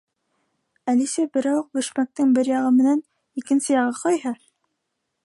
Әлисә берауыҡ бәшмәктең бер яғы менән икенсе яғы ҡайһы